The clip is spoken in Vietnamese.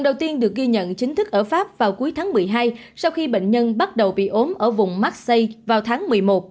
b một sáu nghìn bốn trăm linh hai đã được ghi nhận chính thức ở pháp vào cuối tháng một mươi hai sau khi bệnh nhân bắt đầu bị ốm ở vùng marseille vào tháng một mươi một